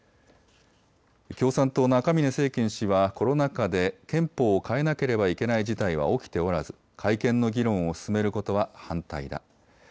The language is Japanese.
共産党の赤嶺政賢氏はコロナ禍で憲法を変えなければいけない事態は起きておらず改憲の議論を進めることは反対だ。